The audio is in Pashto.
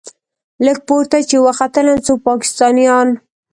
لږ پورته چې وختلم څو پاکستانيان.